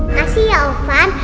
makasih ya opan